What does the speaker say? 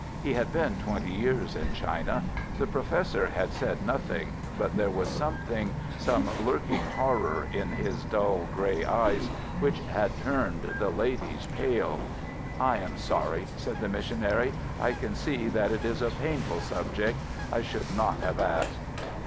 He had been twenty years in China. The professor had said nothing, but there was something, some lurking horror, in his dull, grey eyes which had turned the ladies pale. "I am sorry," said the missionary. "I can see that it is a painful subject. I should not have asked."